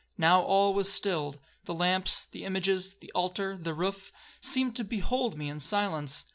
Now all was stilled,—the lamps, the images, the altar, the roof, seemed to behold me in silence.